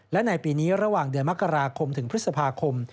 และในปีนี้ระหว่างเดือนมกราคมถึงพฤษภาคม